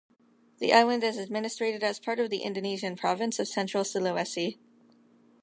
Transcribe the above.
The island is administrated as part of the Indonesian province of Central Sulawesi.